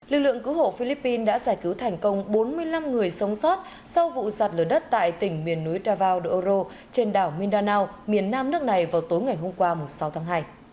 lực lượng cứu hộ philippines đã giải cứu thành công bốn mươi năm người sống sót sau vụ sạt lửa đất tại tỉnh miền núi davao de oro trên đảo mindanao miền nam nước này vào tối ngày hôm qua sáu tháng hai